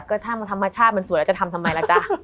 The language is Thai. ก็ถ้าธรรมชาติมันสวยแล้วจะทำทำไมล่ะจ๊ะ